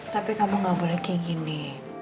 tapi kamu gak boleh kayak gini